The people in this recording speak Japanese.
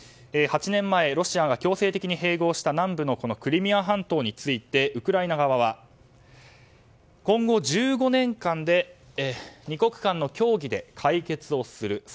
８年前、ロシアが強制的に併合した南部のクリミア半島についてウクライナ側は今後１５年間で２国間の協議で解決をする。